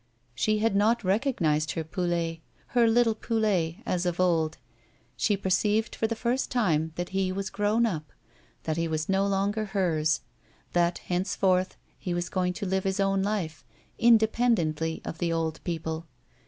She had not recognised her Poulet, her little Poulet, as of old ; she perceived for the first time that he was grown up, that he was no longer hers, that henceforth he was going to live his own life, independently of the old people.